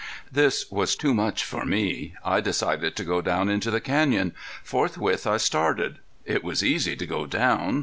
This was too much for me. I decided to go down into the canyon. Forthwith I started. It was easy to go down!